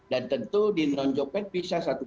dan tentu di nonjokkan bisa satu